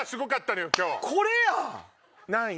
何位？